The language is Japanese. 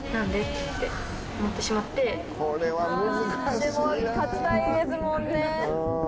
でも勝ちたいですもんね。